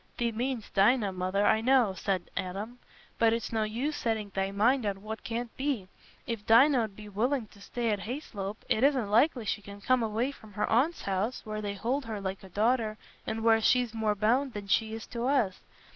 "Thee mean'st Dinah, Mother, I know," said Adam. "But it's no use setting thy mind on what can't be. If Dinah 'ud be willing to stay at Hayslope, it isn't likely she can come away from her aunt's house, where they hold her like a daughter, and where she's more bound than she is to us.